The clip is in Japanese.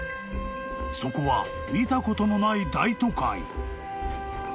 ［そこは見たこともない大都会］